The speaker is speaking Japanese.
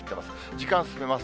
時間進めます。